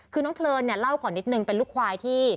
คือน้องเพลินเนี่ยเล่าก่อนนิดนึงเป็นลูกควายที่